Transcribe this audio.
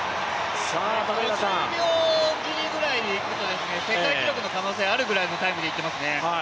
５０秒切りぐらいでいくと、世界記録の可能性があるぐらいのタイムでいっていますね。